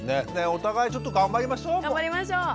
お互いちょっと頑張りましょう。